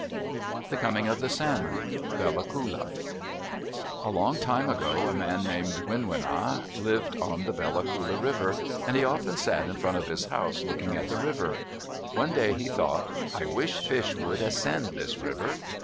THE COMING OF THE SALMON Bella Coola A long time ago, a man named Winwina lived on the Bella Coola River, and he often sat in front of his house looking at the river. One day he thought, "I wish fish would ascend this river."